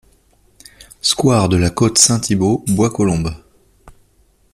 Square de la Côte Saint-Thibault, Bois-Colombes